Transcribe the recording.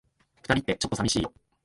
二人って、ちょっと寂しいよ。